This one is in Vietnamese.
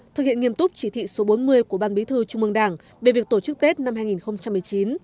thực hiện nghiêm túc chỉ thị số bốn mươi của ban bí thư trung mương đảng về việc tổ chức tết năm hai nghìn một mươi chín